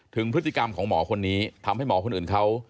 ถึงพฤติกรรมของหมอคนนี้ทำให้หมอคนอื่นเขา